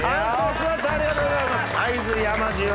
ありがとうございます。